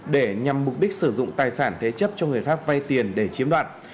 để nhằm mục đích sử dụng tài sản thế chấp cho người khác vay tiền để chiếm đoạt